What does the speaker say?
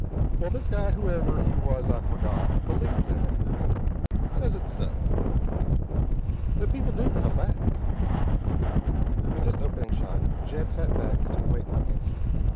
Well, this guy, whoever he was I've forgot, believes in it. Says it's so. That people do come back." With this opening shot Jed sat back to await my answer.